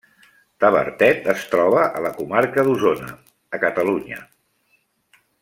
Tavertet es troba a la comarca d'Osona, a Catalunya.